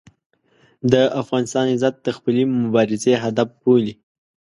د افغانستان عزت د خپلې مبارزې هدف بولي.